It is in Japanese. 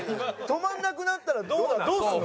止まらなくなったらどうどうするの？